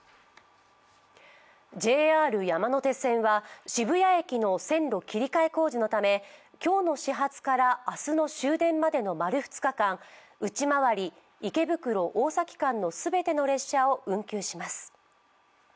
ＪＲ山手線は渋谷駅の線路切り替え工事のため今日の始発から明日の終電までの丸２日間内回り池袋−大崎間の全ての列車を運休します。